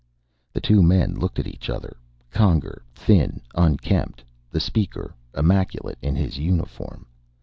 The two men looked at each other; Conger, thin, unkempt, the Speaker immaculate in his uniform.